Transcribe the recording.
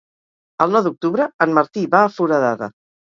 El nou d'octubre en Martí va a Foradada.